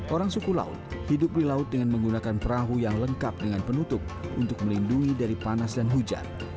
orang suku laut hidup di laut dengan menggunakan perahu yang lengkap dengan penutup untuk melindungi dari panas dan hujan